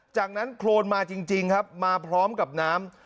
จากนั้นโครนมาจริงครับมาพร้อมกับน้ำ